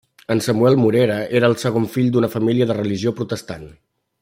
En Samuel Morera era el segon fill d'una família de religió protestant.